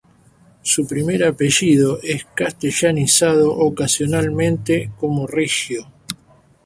Su primer apellido es castellanizado ocasionalmente como Regio.